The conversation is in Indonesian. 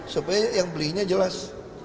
supaya yang belinya jelas